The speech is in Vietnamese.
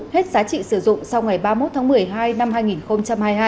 hết giá trị sử dụng sau ngày ba mươi một tháng một mươi hai năm hai nghìn hai mươi hai